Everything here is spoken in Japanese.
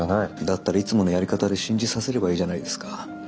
だったらいつものやり方で信じさせればいいじゃないですか。